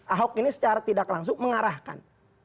ahok ini secara tidak langsung mengarahkan